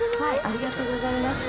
ありがとうございます。